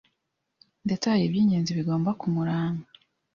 ndetse hari iby’ingenzi bigomba kumuranga